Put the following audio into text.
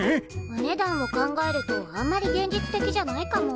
お値段を考えるとあんまり現実的じゃないかも。